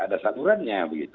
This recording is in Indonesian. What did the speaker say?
ada salurannya begitu